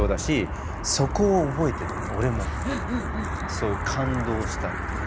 そういう感動したっていう。